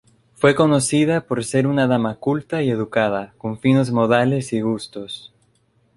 Fue conocida por ser una dama culta y educada, con finos modales y gustos.